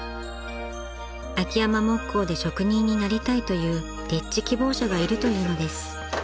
［秋山木工で職人になりたいという丁稚希望者がいるというのです］